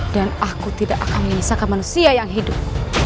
dan aku tidak akan menyesakan manusia yang hidup